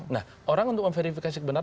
nah orang untuk memverifikasi benar